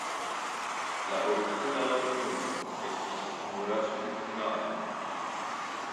La origina loknomo estis "Murasu Naadu".